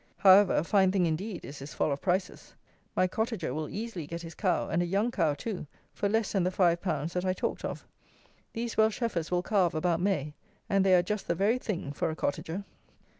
However, a fine thing, indeed, is this fall of prices! My "cottager" will easily get his cow, and a young cow too, for less than the 5_l._ that I talked of. These Welsh heifers will calve about May; and they are just the very thing for a cottager.